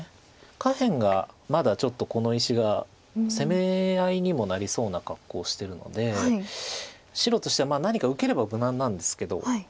下辺がまだちょっとこの石が攻め合いにもなりそうな格好をしてるので白としては何か受ければ無難なんですけど。